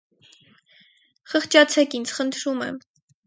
Խղճացեք ինձ, խնդրում եմ: